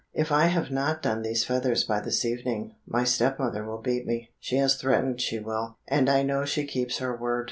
"If I have not done these feathers by this evening, my step mother will beat me; she has threatened she will, and I know she keeps her word."